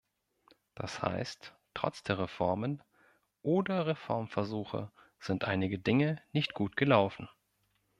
Das heißt, trotz der Reformen oder Reformversuche sind einige Dinge nicht gut gelaufen.